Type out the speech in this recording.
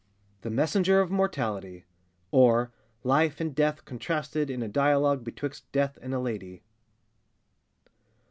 THE MESSENGER OF MORTALITY; OR LIFE AND DEATH CONTRASTED IN A DIALOGUE BETWIXT DEATH AND A LADY.